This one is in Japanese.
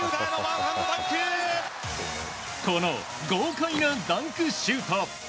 この豪快なダンクシュート。